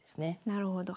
なるほど。